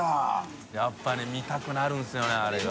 笋辰僂見たくなるんですよねあれが。